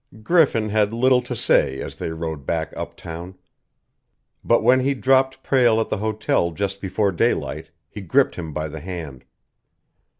Griffin had little to say as they rode back uptown. But when he dropped Prale at the hotel just before daylight, he gripped him by the hand.